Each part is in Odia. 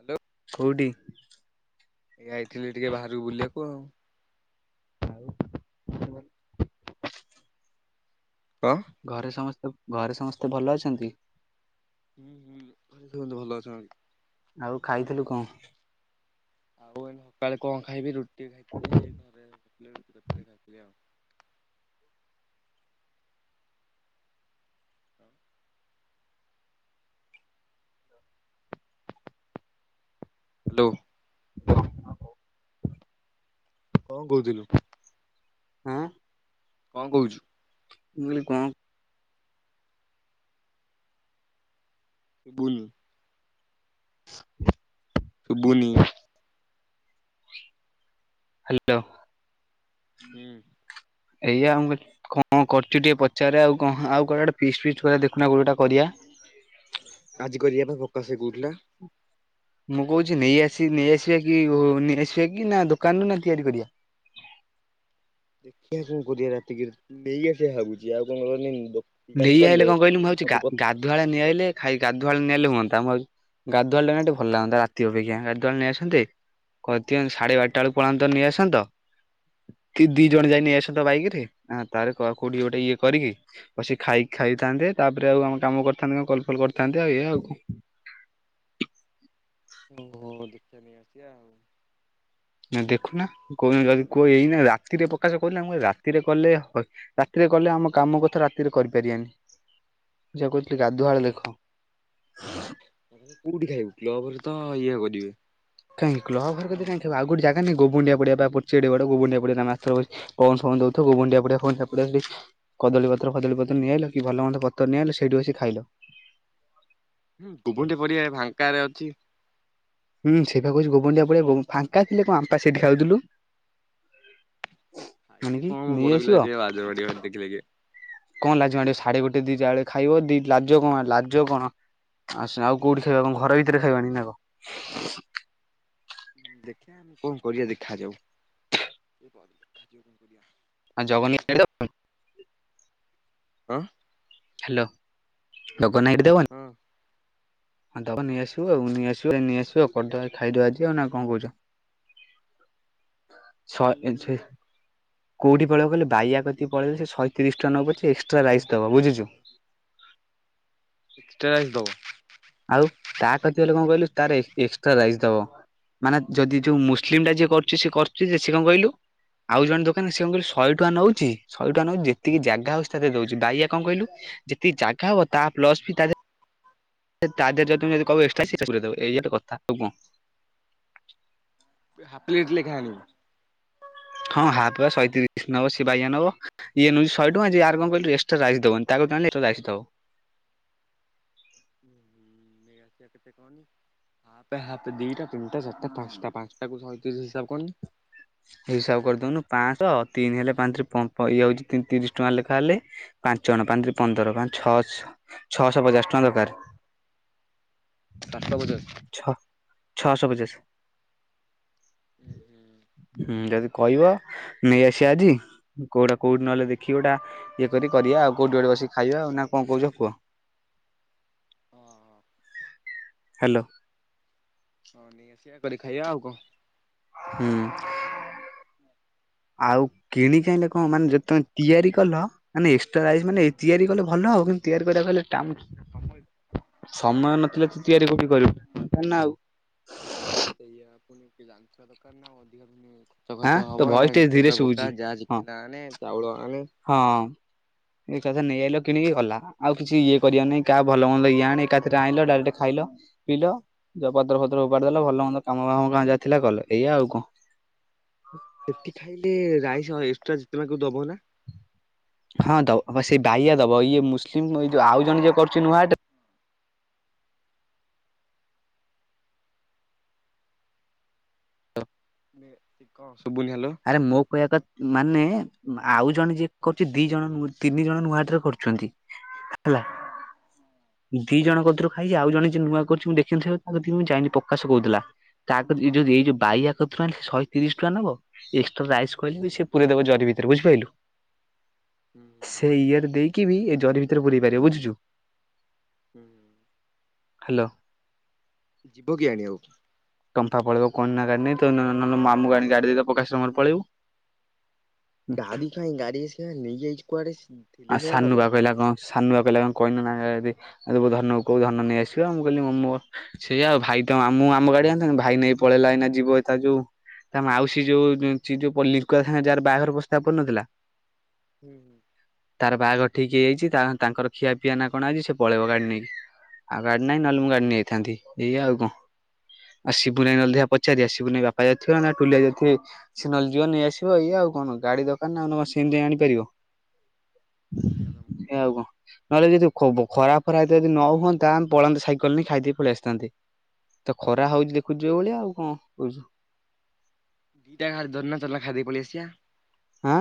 ହାଲୋ। କୋଉଠି? ଏ ଯାଇଥିଲି ଟିକେ ବାହାରକୁ ବୁଲିବାକୁ ଆଉ। [unintelligible] ଘରେ ସମସ୍ତେ ଘରେ ସମସ୍ତେ ଭଲ ଅଛନ୍ତି? ହୁଁ ହୁଁ। ଘରେ ସମସ୍ତେ ଭଲ ଅଛନ୍ତି। ଆଉ ଖାଇଥିଲୁ କଣ? ଆଉ ଏଇନେ ସକାଳେ କଣ ଖାଇବି ରୁଟି ଖାଇଥିଲି। ଘରେ ରୁଟି କରିଥିଲେ ଖାଇଥିଲି ଆଉ। ହଁ ହାଲୋ। ଅ ହଉ। କଣ କହୁଥୁଲୁ? ଉଁ କଣ ମୁଁ କହୁଛୁ କହିଲି କଣ [unintelligible] ଶୁବୁନି। ହାଲୋ। ହୁଁ। ଏଇଆ ମୁଁ କହିଲି କଣ କଣ କରୁଚୁ ଟିକେ ପଚାରେ ଆଉ କଣ। ଆଉ କୁଆଡ଼େ ଗୋଟେ ଫିଷ୍ଟ୍ ଫିଷ୍ଟ୍ କରିବା ଦେଖୁନ କୋଉଟା ଗୋଟେ କରିବା। ଆଜି କରିବା ପାଇଁ [unintelligible] କହୁଥିଲା। ମୁଁ କହୁଚି ନେଇ ଆସି ନେଇଆସିବା କି ନେଇ ଆସିବା କି ନା ଦୋକାନରୁୁ ନା ତିଆରି କରିବା? ଦେଖିବା କଣ କରିବା ରାତିକ। ନେଇ ଆସିବା ଭାବୁଚି ଆଉ କଣ। [unintelligible] ନେଇ ଆଇଲେ କଲେ କଣ କହିଲି ମୁଁ ସବୁ ଭାବୁଛି ଗାଧୁଆ ବେଳେ ନେଇ ଆଇଲେ ଖାଇ ଗାଧୁଆ ବେଳେ ନେଇ ଆଇଲେ ହୁଅନ୍ତା। ମୁଁ ଭାବୁ ଗାଧୁଆ ବେଳେ ଆଣିଲେ ଟିକେ ଭଲ ଲାଗନ୍ତା ରାତି ଅପେକ୍ଷା। ଗାଧୁଆ ବେଳେ ନେଇ ଆସନ୍ତେ କରି ଦିଅନ୍ତ ସାଢ଼େ ବାରଟା ବେଳୁ ପଳାନ୍ତ ନେଇ ଆସନ୍ତ। ଦି ଦି ଜଣ ଯାଇ ନେଇ ଆସନ୍ତ ବାଇକ୍ ରେ ତାପରେ କୋଉଠି ଗୋଟେ ଇଏ କରିକି ବସିକି ଖାଇ ଖାଇଥାନ୍ତେ। ତାପରେ ଆଉ ଆମ କାମ କରିଥାନ୍ତେ କଣ କଲ୍ ଫଲ୍ କରିଥାନ୍ତେ ଆଉ। ଏଇଆ ଆଉ କଣ। ହଁ ଦେଖିଆ ନେଇ ଆସିବା ଆଉ। ନାଇଁ ଦେଖୁନା କୋଉଦିନ ଯଦି କୋଉ ଏଇନେ ରାତିରେ ପ୍ରକାଶ କହୁଥିଲା, ମୁଁ କହିଲି ରାତିରେ କଲେ ରାତିରେ କଲେ ଆମ କାମ କଥା ରାତିରେ କରିପାରିବାନି। ମୁଁ ସେଇଆ କହୁଥିଲି ଗାଧୁଆ ବେଳେ ଦେଖ। କୋଉଠି ଖାଇବୁ? କ୍ଲବ୍ ରେ ତ ଇଏ କରିବେ। କାଇଁ କ୍ଲବ୍ ଘର କତିରେ କାହିଁକି ଖାଇବୁ, ଆଉ କୋଉଠି ଜାଗା ନାହିଁ ଗୋବୁଣ୍ଡିଆ ପଡ଼ିଆ ପରା ପଡ଼ିଚି ଏ ବଡ଼ ଗୋବୁଣ୍ଡିଆ ପଡ଼ିଆ। [unintelligible] ପବନ ଫବନ ଦଉଥିବ ଗୋଗୁଣ୍ଡିଆ ପଡିଆ। [unintelligible] କଦଳୀ ପତ୍ର ଫଦଳୀ ପତ୍ର ନେଇଆଇଲ କି ଭଲ ମନ୍ଦ ପତ୍ର ନେଇଆଇଲ ସେଇଠୁ ବସି ଖାଇଲ। ହୁଁ ଗୁବୁଣ୍ଡିଆ ପଡ଼ିଆ ଫାଙ୍କାରେ ଅଛି। ହୁ ସେଇ ପା କହୁଚି ଗୁବୁଣ୍ଡିଆ ପଡ଼ିଆ ଫାଙ୍କା ଥିଲେ କଣ ଆମେ ପା ସେଇଠି ଖାଉଥିଲୁ। ଖାଇଲେ ଆଣିକି କଣ ବଡ ପିଲା ନେଇଆସିବ ଯିବା ଲାଜମାଡ଼ିବ ଦେଖିଲେ କିଏ। କଣ ଲାଜ ମାଡିବ ସାଢେ ଗୋଟେ ଦି ଟା ବେଳେ ଖାଇବ ଦି ଲାଜ କଣ ଲାଜ କଣ। ଆସ ଆଉ କୋଉଠି ଖାଇବା କଣ ଘର ଭିତରେ ଖାଇବା ଆଣିକି ନା କଣ। ଦେଖିବା ଆମେ କଣ କରିବା ଦେଖାଯାଉ। ଦେଖାଯିବ କଣ କରିବା। ଆଉ। [unintelligible] ହଁ। ହାଲୋ। ଜଗନ ଭାଇ କି ଦବନି? ହଁ। ହଁ ଦବ ନେଇ ଆସିବୁ ଆଉ। ନେଇ ଆସିବ ନେଇ ଆସିବ କରିଦବା ଖାଇଦବା ଆଜି ଆଉ ନା କଣ କହୁଚ। [inaudible] ଛଅ ଇଞ୍ଚି କୋଉଠି ପଳେଇବ କହିଲ ବାଇଆ କତିକି ପଳେଇଲେ ସେ ଶହେତିରିଶ ଟଙ୍କା ନଉ ପଛେ ଏକ୍ସଟ୍ରା ରାଇସ୍ ଦବ ବୁଝୁଚୁ। ଏକ୍ସଟ୍ରା ରାଇସ୍ ଦବ। ଆଉ ତା କତି ଗଲେ କଁ କହିଲୁ ତାର ଏସ୍ ଏକ୍ସଟ୍ରା ରାଇସ ଦବ। ମାନେ ଯଦି ଯୋଉ ମୁସଲିମ ଟା ଯିଏ କରୁଚି ସେ କରୁଚିଜେ ସେ କଁ କହିଲୁ? ଆଉ ଜଣେ ଦୋକାନ ସେ କଁ କହିଲୁ ଶହେ ଟଙ୍କା ନଉଚି ଶହେ ଟଙ୍କା ନଉଚି ଯେତିକି ଜାଗା ହଉଛି ତାଧେ ଦଉଛି ବାଇଆ କଁ କହିଲୁ? ଯେତିିକି ଜାଗା ହବ ତା ପ୍ଲସ୍ ବି ତାଧେ ସେତା ଦେଧେର ଯଦି ତମେ ଯଦି କହିବ ଏଷ୍ଟ୍ରା ସିଏ ସେ ପୁରେଇଦେବ ଏଇଆ ତ କଥା ତୋ କଁ। ପେ ହାଫ୍ଲେଟ ଲେଖାଆଣି ହଁ ହାପ ଶହେ ତିରିଶ ନବ ସେ ବାଇଆ ନବ। ଇ ନଉଚି ଶହେ ଟଙ୍କା ଯେ ଆର କଁ କଇଲୁ ଏକ୍ସଟ୍ରା ରାଇସ ଦବନି ତା କତି ଆନଲେ ଏକ୍ସଟ୍ରା ରାଇସ ଦବ। ଉହୁଁ ନେଇଆସିଆ କେତେ ଟନି ହାପେ ହାପେ ଦିଟା ତିନିଟା ଚାରିଟା ପାଞ୍ଚଟା ପାଞ୍ଚଟା କୁ ଶହେତିରିଶ ହିସାବ କରନି? ହିସାବ କରିଦେଉନୁ ପାଞ୍ଚଶହ ତିନି ହେଲେ ପାଞ୍ଚ ପମ୍ପ ଇଏ ହେଉଚି ତିନ ତିରିଶ ଟଙ୍କା ଲେଖା ହେଲେ ପାଞ୍ଚଣ ପାଞ୍ଚରେ ପନ୍ଦର ପାଞ୍ଚ ଛଅହ ଛଅଶହ ପଚାଶ ଟଙ୍କା ଦରକାର। ଚାରିଶ ପଚାଶ ଛଅ ଛଅଶହ ପଚାଷ। ଉହୁଁ। ହୁଁ ଯଦି କହିବ ନେଇ ଆସିଆ ଆଜି। କୋଉଟା କୋଉଠି ନହେଲେ ଦେଖି ଗୋଟା ଇଏ କରି କରିବା ଆଉ କୋଉଠି ଗୋଟେ ବିସି ଖାଇବା ଆଉ ନା କଁ କହୁଚ କୁହ? ହଁ ହଁ। ହାଲୋ। ହଁ ନେଇ ଆସିଆ କରି ଖାଇବା ଆଉ କଁ। ହୁଁ। [inaudible] ଆଉ କିଣ ଖାଇଲେ କଁ ମାନେ ଯେତମେ ତିଆରି କଲ ମାନେ ଏକ୍ସଟ୍ରା ରାଇସ ମାନେ ତିଆରି କଲେ ଭଲ ହବ କିନ୍ତୁ ତିଆରି କରିବାକୁ ହେଲେ ଟାମ୍- [inaudible] ସମୟ ନଥିଲେ ତୁ ତିଆରି କୋଉଠି କରିବୁ ନା ଆଉ। ସେଇଆ ପୁଣି ରାନ୍ଧିବା ଦରକାର ନା ଆଉ ଅଧିକା ପୁଣି ଚ ଆଁ ଖଚ ତୋ ହବ ଏଇନା ଭଏସ୍ ଟିକେ ଧୀରେ ତେଲ ଶୁଭୁଛି। ପକା ଯା ହଁ ଚିକେନା ଆଣେ ଚାଉଳ ଆଣେ। ହଁ ଏକାଥରେ ନେଇ ଆଇଲ କିଣିକି ଘଲା ଆଉ କିଛି ଇଏ କରିବା ନାଇଁ କା ଭଲ ମନ୍ଦ ଇଏ ଆଣେ ଏକାଥରେ ଆଣିଲ ଡାଇରେକ୍ଟ ଖାଇଲ ପିଇଲ ଯ ପତ୍ର ଫତ୍ର ଉପାଡି ଦେଲ ଭଲ ମନ୍ଦ କାମ ଫାମ ଗାଁ ଯାଇ ଥିଲା କଲେ ଏଇୟଆ ଆଉ କଁ। ସେଠି ଖାଇଲେ ରାଇସ ହ ଏକ୍ସଟ୍ରା ଯେତେ ମାଗିବୁ ଦବନା? ହଁ ଦବ ସେଇ ବାଇଆ ଦବ ଇଏ ମୁସଲିମ ଏଇ ଯଉ ଆଉ ଜଣ ଯିଏ କରୁଚି ନୁଆଟେ ମେ ତିକ ଶୁବୁନି ହ୍ୟାଲୋ। ଆରେ ମୋ କହିବା କତ୍ ମାନେ ଆଉ ଜଣେ ଯିଏ କରୁଚି ଦି ଜଣ ତିନି ଜଣ ନୂଆ ଏଥିରେ କରୁଛନ୍ତି ହେଲା। ଦିଜଣ କଥିରୁ ଖାଇ ଆଉଣ ଯେ ନୂଆ କରିଛି ମୁଁ ଦେଖିଥିବ ତାକତି ମୁଁ ଯାଇନି ପ୍ରକାଶ କହୁଥିଲା। ତା କଥି ଏଯୋ ଏଇ ଯୋଉ ହୁଁ ବାଇଆ କଥିରୁଆଣି ସହେ ତିରିଶ ଟଙ୍କା ନବ ଏକ୍ସଟ୍ରା ରାଇସ୍ କହିଲେ ହୁଁ ସେ ପୁରାଇ ଦବ ଜିରିବି ତିରେ ବୁଝପାଇଲୁ ହୁଁ ସେଇରେ ଦେଇକିବି ଏଜରି ଭିତରେ ପୁରେଇ ପାରିବ ବୁଝୁଚୁ? ହୁଁ। ହ୍ୟାଲୋ। ଯିବ କିଏ ଆଣିବାକୁ? କମ୍ଫା ପଳେଇବ କଣନା ଗାଡି ନେଇତ ନ ନ ନ ନ ମାମୁ ଗାଡି ଗାଡ଼ିରେ ତ ପ୍ରକାଶର ମୋର ପଳେଇବୁ। ଗାଡି ଖାଇଁ ଗାଡିସିଏ ନେଇଛି କୁଆଡେ ଥିଲେ ସେନା ଦବ। ସାନୁଆ କହିଲା କଁ କହିଲୁନା [unintelligible] ଧନକୁ କହୁ ଧନ ନେଇ ଆସିବ ମୁଁ କହିଲି ମୋ ମୋ ସେଇ ଆଉ ଭାଇ ତ ଆମୁଁ ଆମ ଗାଡି ଆନଥାନ୍ତି ଭାଇ ନେଇ ପଳେଇଲା ଏଇନା ଯିବ ଏତା ଯୋଉ ତା ମାଉସ ଟିଯୋଉ ଯୋ ଚିଯୋ ପୁଅ ଲିକୁଆ ସାଙ୍ଗେ ଯାହାର ବାଘର ପସ୍ଥାପ ପନଥିଲା। ହୁଁ ହୁଁ। ତାର ବାହାଘ ଠିକ ହେଇଯାଇଚି ତା ତାଙ୍କର ଖିଆ ପିଆ ନା କଣ ଆଜି ସେ ପଳେଇବ ଗାଡି ନେଇକି। ଆଉ ଗାଡି ନାହିଁ ନହେଲେ ମୁଁ ଗାଡି ନେଆଇଥାନ୍ତି ଏଇଆ ଆଉ କଣ। ଆଉ ଶିବୁ [unintelligible] ପଚାରିବା ଶିବୁନ୍ ଭାଇ ବାପା [unintelligible] ଟୁଲିଆ ଥି ସିଏ ନ ହେଲେ ଯିବ ନେଇ ଆସିବ ଆଉ ଏଇଆ ଆଉ କଣ ଗାଡି ଦୋକାନ [unintelligible] ସେମିତି ଆଣିପାରିବ। ସେଇଆ ତ ମୁଁ କହୁଛି ଏଇଆ କଣ? ନହେଲେ ଯଦି ଖ-ବ-ଖରା ଫରା ଯଦି ନ ହୁଅନ୍ତା ଆମେ ପଳାନ୍ତେ ସାଇକଲ ନେଇକି ଖାଇ ଦେଇକି ପଳେଇ ଆସିଥାନ୍ତେ। ତ ଖରା ହଉଚି ଦେଖୁଚୁ ଯୋଉ ଭଳିଆ ଆଉ କଣ କହୁଛୁ। ଦିଟା [unintelligible] ଚାଲୁନ ଖାଇଦେଇକି ପଳେଇଆସିବା। ଆଁ।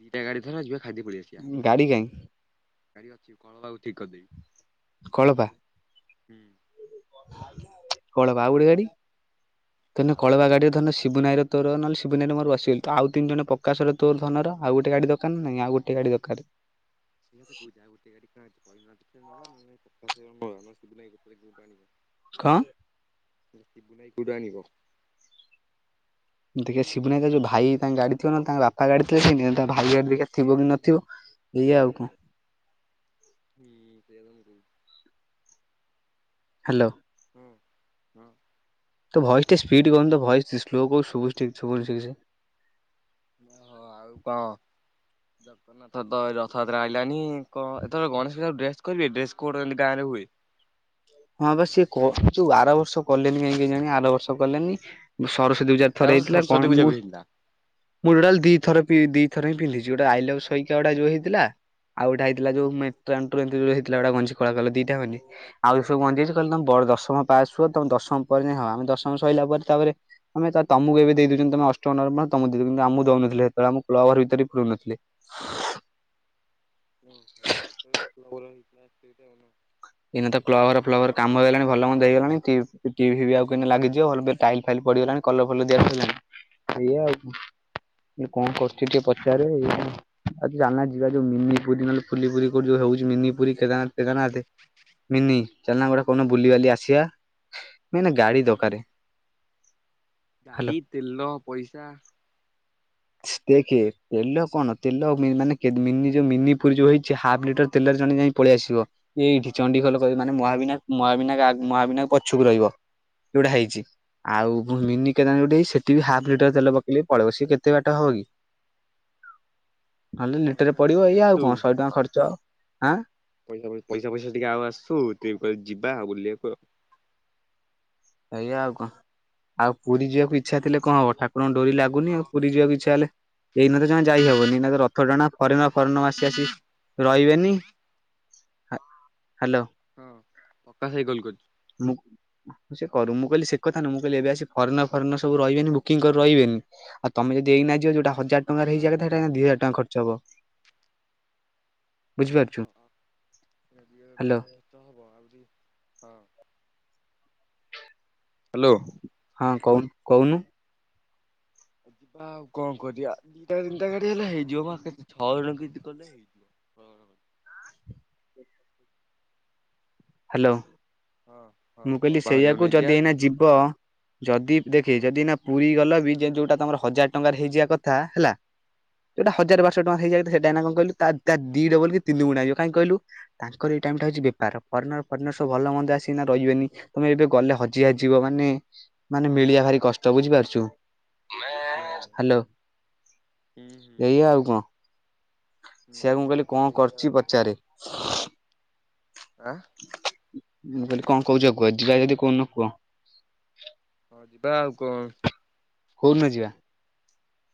ଦିଟା ଗାଡି ଧର ଯିବା ଖାଇଦେଇ ପଳେଇଆ ଗାଡି କାଇଁ? ଗାଡ଼ି ଅଛି କଳ [unintelligible] ଠିକ୍ କରିଦେବି। କଳପା। ହୁଁ। କଳବା ଆଉ ଗୋଟେ ଗାଡି ତନ ଆଉ ଗୋଟେ କଳବା ଗାଡି ଗାଡିରେ ପଛେ ଧରନ ଶିବୁନୁ ଭାଇ ର ତୋର ନହେଲେ ସିବୁନୁ ଭାଇ ର ମୋର ବସିଗଲୁ ତ ଆଉ ତିନ ଜଣ ପକାଶ ର ତୋର ଧନର ଆଉ ଗୋଟେ ଗାଡି ଦରକାର ନା ନାଇଁ ଆଉ ଗୋଟେ ଗାଡି ଦରକାର। [unintelligible] କଁ। ସିବୁନୁ ଭାଇ କୋଉଟୁ ଆଣିବ? ଦେଖିଆ ସିବୁନୁ ଭାଇ ତା ଯୋଉ ଭାଇ ତାଙ୍କ ଗାଡି ଥିବ ନ ହେନେ ତାଙ୍କ ବାପା ଗାଡି ଥିଲେ ସେଇ ନିଅନ୍ତା ଭାଇ ଗାଡି ଟିକେ ଥିବ କି ନଥିବ। ଏଇଆ ଆଉ କଣ? ହୁଁ ସେଇଆ ତ ମୁଁ କଉ ହାଲୋ। ହଁ ହଁ। ତୋ ଭଏସ୍ ଟିକେ ସ୍ପିଡ଼ କଉନୁ ତୋ ଭଏସ ସ୍-ସ୍ଲୋ କୋଉ ଶୁବୁଚି ଠିକ୍ ଶୁବୁଚି ଠିକ୍ ସେ। ଓହୋ ଆଉ କଣ [unintelligible] ଏଥର ତ ରଥଯାତ୍ରା ଆଇଲାଣି କଁ ଏଥର ଗଣେଷ ପୂଜା କୁ ଡ୍ରେସ କରିବେ ଡ୍ରେସ୍ କୋର୍ଡ ଏମିତି ଗାଁ ରେ ହୁଏ। ହଁ ବା ସିଏ କ ଯୋଉ ଆର ବର୍ଷ କଲେନି କାଇଁ କେଜାଣି ଆର ବର୍ଷ କଲେନି ସରସ୍ୱତୀ ପୂଜା ରେ ଆର ଥରେ ବର୍ଷ ହେଇଥିଲା ସରସ୍ଵତୀ କଣ ପୂଜାକୁ ମୁଁ ହେଇଥିଲା। ମୁଁ ଟୋଟାଲି ଦି ଥର ପି ଦି ଥର ହିଁ ପିନ୍ଧିଚି ଗୋଟେ ଆଇଲାଉ [unintelligible] ଯୋଉ ହେଇଥିଲା। ଆଉ ଗୋଟା ଆଇଥିଲା ଯୋଉ [unintelligible] ହେଇଥିଲା ଏଡା ଗଞ୍ଜି କଳା କଲର ଦି ଟା ଗଞ୍ଜି ଆଉ ସବୁ ଗଞ୍ଜି ଅଛି କହିଲେ ତମେ ବଡ ଦଶମ ପାସ୍ ହୁଅ ତମେ ଦଶମ ପରେ ଯାଇଁ ହବ ଆମେ ଦଶମ ସଇଲା ପରେ ତାପରେ ଆମେ ତ ତମୁକୁ ଏବେ ଦେଇ ଦଉଚନ୍ତି ତମେ ଅଷ୍ଟମ [unintelligible] ତମକୁ ଦେଇଦଉଚନ୍ତି କିନ୍ତୁ ଆମୁକୁ ଦଉନଥିଲେ ସେତବେଳେ ଆମୁକୁ କ୍ଲବ୍ ଘର ଭିତର ବି ପୁରଉନଥିଲେ। [unintelligible] ଏଇନା ତ କ୍ଲବ୍ ଘର ଫ୍ଲବ୍ ଘର କାମ ହେଇଗଲାଣି ଭଲମନ୍ଦ ହେଇଗଲାଣି ଟି-ଟିଭି ଫିବି ଆଉ କେଇ ନେ ଲାଗିଯିବ ଭଲ ଟାଇଲ ଫାଇଲ ପଡିଗଲାଣି କଲର ଫଲର ଦିଆ ସଇଲାଣି ଏଇଆ ଆଉ। ମୁଁ କଇଲି କଣ କରୁଚି ଟିକେ ପଚାର ଏଇ ଆଜି ଚାଲୁନା ଯିବା ଯୋଉ ମିନି ପୁରି ନହେଲେ ଫୁଲି ପୁରୀ କୋଉଠି [unintelligible] ହଉଚି ମିନି ପୁରୀ କେଦାରନାଥ ଫେଦାରନାଥ ମିନି ଚାଲୁନା ଆମେ ଗୋଟେ କୌନ ବୁଲିିବାଲି ଆସିବା ମେନ୍ ଗାଡି ଦକାରେ। ଗାଡ଼ି, ତେଲ, ପଇସା। ଦେଖେ ତେଲ କଣ ତେଲ ମେ-ମାନେ କେ ମିନି ଯୋଉ ମିନି ପୁରୀ ଯୋଉ ହେଇଚି ହାଫ୍ ଲିଟର ତେଲରେ ଜଣେ ଯାଇ ପଳେଇ ଆସିବ ଏଇଠି ଚଣ୍ଡି ଖୋଲ କ ମାନେ ମହାବିନାୟକ୍ ମହାବିନାୟକ ଆ ମହାବିନାୟକ ପଛୁକୁ ରହିବ। ଯୋଉଟା ହେଇଚି ଆଉ ଭୂ ମିନି କେଦାନା ଯୋଉଠି ହେଇଚି ସେଟିବି ହାପ୍ ଲିଟର ତେଲ ପକେଇଲେ ପଳଉ ସିଏ କେ ତେ ବାଟା ହବ କି? ନହେଲେ ଲିଟରେ ପଇସା ଫଇସା ପଡିବ ଟିକେ ଏଇଆ ଆଉ ଆସୁ କଣ ଶହେ ଟଙ୍କା ଖର୍ଚ୍ଚ ହବ ଆଁ ପଇସା ପଇସା ପଇସା ପଇସା ଟିକେ ଆଉ ଆସୁ [unintelligible] ଯିବା ଆଉ ବୁଲିବାକୁ ଆଉ। ଏଇଆା ଆଉ କଣ ଆଉ ପୁରୀ ଯିବାକୁ ଇଚ୍ଛା ଥିଲେ କଣ ହବ ଠା କୁର ଙ୍କ ଡୋରି ଲାଗୁନି ଆଉ ପୁରୀ ଯିବାକୁ ଇଚ୍ଛା ହେଲେ ଏଇ ନା ତ ଜମା ଯାଇହବନି ଏଇନା ତ ରଥ ଟଣା ଫରେନର ଫରେନର ଆସି ଆସିବେ ରଇବେନି। ହାଲୋ। ହଁ ପକାଶ ଭାଇ କଲ୍ କ ମୁଁ। ସେ କରୁ ମୁଁହିଲି ସେ କଥାୁ ମୁଁହିଲି ଏବେ ଆସି ଫରେନର ଫରେନର୍ ସବୁ ରହିବନି ବୁକିଂଗ କରି ରହିବନି। ଆଉ ତମେ ଯଦି ଏଇନା ଯୋଉଟା ହଜାର ଟଙ୍କାରେ ହେଇଯିବା କଥା ସେଇଟା ଦି ହଜାର ଟଙ୍କ ଖର୍ଚ ହବ। [unintelligible] ବୁଝିପାରୁଛୁ? ହ୍ୟାଲୋ। ତ ହବ ଆହୁରିି ହଁ। ହ୍ୟାଲୋ। ହଁ କହୁ କହୁନୁ? ବା ଆଉ କଣ କରିବା ଦିଟା ତିନିଟା ଗାଡି ହେଲା ହେଇଯିବ। ପା କେତେ ଛଅ ଜଣ ଯ କଲେ ହେଇଯିବ। କଣ? ହ୍ୟାଲୋ ହଁ ହଁ ମୁଁ କହିଲି କଳପା ହରିଆକୁ ସେଇଆକୁ ନେଇଯିବା। ଯଦି ଏଇନା ଯିବ ଯଦି ଦେଖେ ଯଦି ନା ପୁରୀ ଗଲ ବି ଯୋଉଟା ତମର ହଜାର ଟଙ୍କାରେ ହେଇଯିବା କଥା ହେଲା। ଯୋଉଟା ହଜାର ବାରଶହ ଟଙ୍କା ହେଇଯାଇ ସେଟା ଏଇନା କଣ କହିଲୁ ତା ଦିଡବଲ କି ତିନି ଗୁଣା ହେଇଯିବ କାହିଁ କହିଲୁ ତାଙ୍କର ଏଇ ଟାଇମ୍ ଟାଉଛି ବେପାର। ଫନର ଫନର ସବୁ ଭଲ ମନ୍ଦ ଆସିକିନା ରହିବେନି ତମେ ଏବେ ଗଲେ ହଜି ହଜିଯିବ। ମାନେ ମାନେ ମିଳିବା ଭାରି କଷ୍ଟ ବୁଝିପାରୁଛୁ। ହୁଁ ହ୍ୟାଲୋ ହୁଁ ହୁଁ ଏଇଆ ଆଉ କଣ? ହୁଁ ସେଆକୁ ମୁଁ କହିଲି କଣ ସେଇଆ ଆଉ କରୁଛି କଣ ପଚାରେ? ଆ ମୁଁ କହିଲି କଣ କହୁଛ କୁହ ଯିବା ଯଦି କୋଉଦିନ କୁହ? ହଁ ଯିବା ଆଉ କଣ। କୋଉ ଦିନ ଯିବା?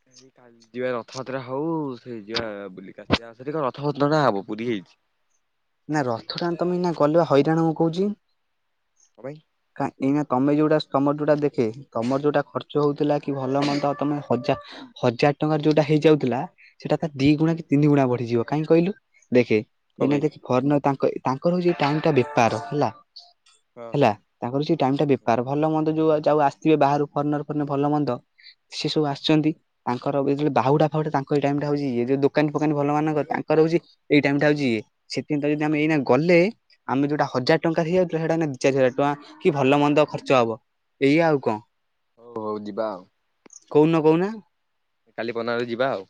ସେଇ କାଲି। ଯିବା ରଥଯାତ୍ରା ହୋଉ ସେଇ ଯିବା ବ କାଶିକ ରଥଯାତ୍ରା ନା ହବ ପୁରୀ ହେଇଛି। ନା ରଥକାନ୍ତ ମିନା ଗଲେ ବା ହଇରାଣ କଣ କହୁଛି। କଣ ପାଇଁ? କାଇଁ ଏଇନା ତମେ ଯୋଉଟା ତମର ଯୋଉଟା ଦେଖେ ତମର ଯୋଉଟା ଖର୍ଚ୍ଚ ହୋଉଥିଲା। କି ଭଲ ମନ୍ଦ ତମେ ହଜାର ହଜାର ଟଙ୍କାର ଯୋଉଟା ହେଇଯାଉଥିଲା। ସେଇଟା ତ ଦି ଗୁଣା ହୁଁ କି ତିନି ଗୁଣା ବଢିଯିବ କାହିଁ କହିଲୁ ଦେଖେ କଣ ଏଇନା ପାଇଁ ଦେଖେ ଫର୍ନ ତାଙ୍କ ତାଙ୍କର ହୋଉଛି ଟାଇମ୍ ଟା ବେପାର ହେଲା ହଁ। ହେଲା। ତାଙ୍କର ସେ ଟାଇମ୍ ଟା ବେପାର ଭଲ ମନ୍ଦ ଯୋଉ ଯାଉଉ ଆସିଥିବେ ବାହାରୁ ଫନର ଭଲ ମନ୍ଦ। ସେ ସବୁ ଆସିଛନ୍ତି। ତାଙ୍କର ଏ ବାହୁଡା ଫାହୁଡା ତାଙ୍କ ଏଇ ଟାଇମ୍ ଟା ହୋଉଛି। ଯୋଉ ଦୋକାନୀ ଫୋକାନୀ ଭଲ ମାନଙ୍କ ତାଙ୍କର ହୋଉଛି। ଏଇ ଟାଇମ୍ ଟା ହୋଉଛି ସେଥିପାଇଁ ତ ଯଦି ଆମେ ଏଇନା ଗଲେ। ଆମେ ଯୋଉଟା ହଜାର ଟଙ୍କା ହେଇଯାଉଥିଲା ସେଇଟା ଆମେ ଦି ଚାରିଶ ହଜାର ଟଙ୍କା କି ଭଲ ମନ୍ଦ ଖର୍ଚ୍ଚ ହବ। ଏଇଆ ଆଉ କଣ? ହୋଉ ହୋଉ ଯିବା ଆଉ। କୋଉଦିନ କହୁନ? କାଲି ପନରେ ଯିବା ଆଉ।